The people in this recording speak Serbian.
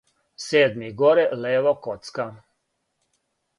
седми горе лево коцка